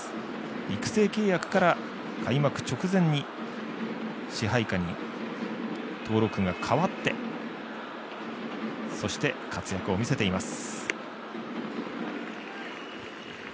育成契約から開幕直前に支配下に登録が変わってそして、活躍を見せています。